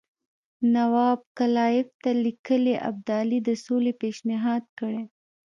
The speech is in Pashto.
نواب کلایف ته لیکلي ابدالي د سولې پېشنهاد کړی.